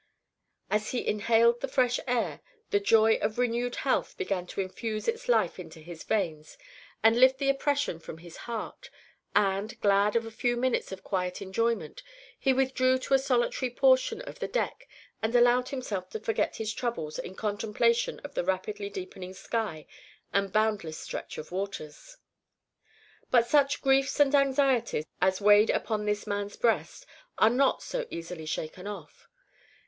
As he inhaled the fresh air, the joy of renewed health began to infuse its life into his veins and lift the oppression from his heart, and, glad of a few minutes of quiet enjoyment, he withdrew to a solitary portion of the deck and allowed himself to forget his troubles in contemplation of the rapidly deepening sky and boundless stretch of waters. But such griefs and anxieties as weighed upon this man's breast are not so easily shaken off.